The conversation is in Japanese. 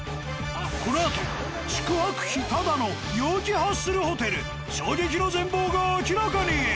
このあと宿泊費タダの陽気ハッスルホテル衝撃の全貌が明らかに！